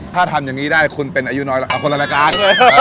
ถ้าทำอย่างนี้ได้คุณเป็นอายุน้อยเอาคนละรายการ